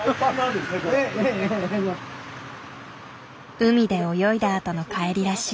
海で泳いだあとの帰りらしい。